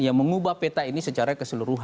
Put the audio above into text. yang mengubah peta ini secara keseluruhan